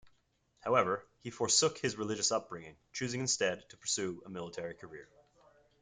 However, he forsook his religious upbringing, choosing instead to pursue a military career.